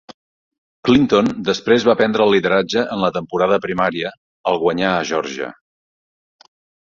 Clinton després va prendre el lideratge en la temporada primària al guanyar a Geòrgia.